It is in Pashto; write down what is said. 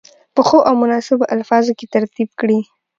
په ښو او مناسبو الفاظو کې ترتیب کړي.